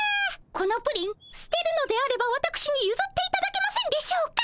このプリンすてるのであればわたくしにゆずっていただけませんでしょうか？